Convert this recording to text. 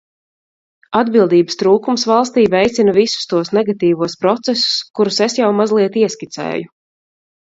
Atbildības trūkums valstī veicina visus tos negatīvos procesus, kurus es jau mazliet ieskicēju.